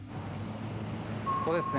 ここですね。